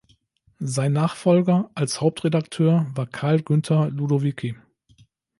Sein Nachfolger als Hauptredakteur war Carl Günther Ludovici.